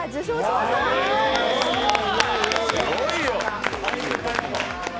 すごいよ。